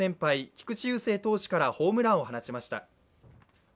菊池雄星投手からホームランを放ちました。